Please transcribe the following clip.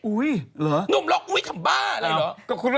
อุ๊ยหรือนุ่มหลอกอุ๊ยทำบ้าอะไรเหรอ